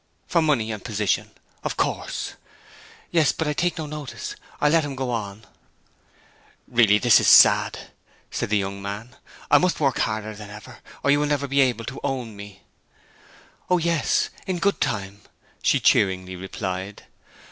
'For money and position, of course.' 'Yes. But I take no notice. I let him go on.' 'Really, this is sad!' said the young man. 'I must work harder than ever, or you will never be able to own me.' 'O yes, in good time!' she cheeringly replied.